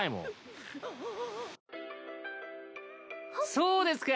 そうですか！